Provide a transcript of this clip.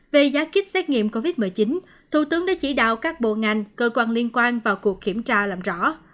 về giá kích xét nghiệm covid một mươi chín thủ tướng đã chỉ đạo các bộ ngành cơ quan liên quan vào cuộc kiểm tra làm rõ